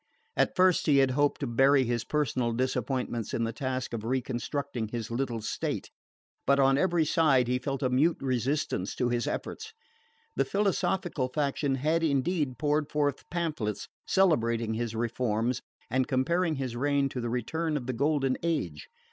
At first he had hoped to bury his personal disappointments in the task of reconstructing his little state; but on every side he felt a mute resistance to his efforts. The philosophical faction had indeed poured forth pamphlets celebrating his reforms, and comparing his reign to the return of the Golden Age.